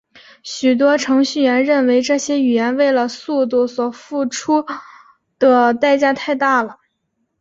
许多程序员认为这些语言为了速度所付出的代价太大了。